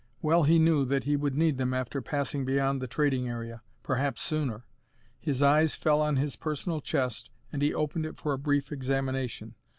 Well he knew that he would need them after passing beyond the trading area perhaps sooner. His eyes fell on his personal chest, and he opened it for a brief examination.